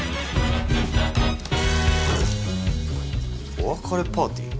お別れパーティー？